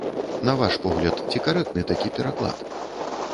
На ваш погляд, ці карэктны такі пераклад?